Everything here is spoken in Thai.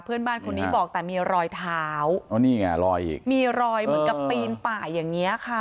เพื่อนบ้านคนนี้บอกแต่มีรอยเท้าอ๋อนี่ไงรอยอีกมีรอยเหมือนกับปีนป่าอย่างเงี้ยค่ะ